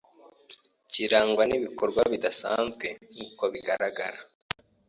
kirangwa nibikorwa bidasanzwe nkuko bigaragara: